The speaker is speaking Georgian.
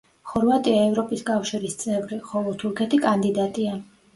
ხორვატია ევროპის კავშირის წევრი, ხოლო თურქეთი კანდიდატია.